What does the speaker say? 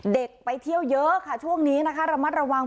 ไปเที่ยวเยอะค่ะช่วงนี้นะคะระมัดระวัง